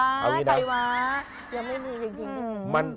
ยังไม่มีจริง